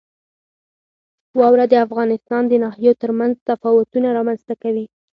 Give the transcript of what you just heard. واوره د افغانستان د ناحیو ترمنځ تفاوتونه رامنځته کوي.